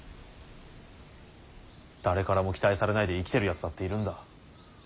誰からも期待されないで生きてるやつだっているんだ。